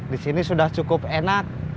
disini sudah cukup enak